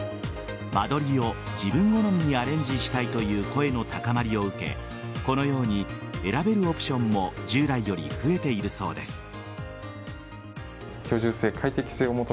間取りを自分好みにアレンジしたいという声の高まりを受けこのように選べるオプションも従来より増えているそうです。